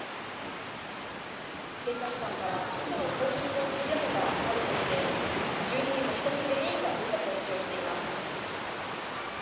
警察官からうその供述を強いられたなどとして１２人の被告全員が無罪を主張しています。